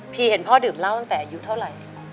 เห็นพ่อดื่มเหล้าตั้งแต่อายุเท่าไหร่